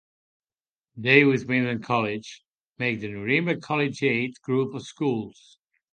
They, with Wyndham College, make the Nirimba Collegiate Group of Schools.